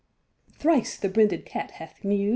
Thrice the brinded cat hath mew'd.